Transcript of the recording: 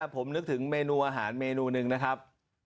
ผมนึกถึงเมนูอาหารเมนูหนึ่งนะครับ